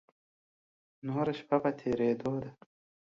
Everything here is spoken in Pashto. نوره شپه په تېرېدو ده.